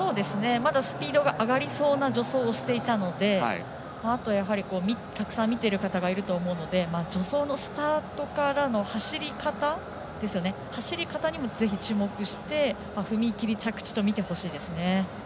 まだスピードが上がりそうな助走をしていたのであと、たくさん見ている方がいると思うので助走のスタートからの走り方にもぜひ注目して踏み切り、着地と見てほしいですね。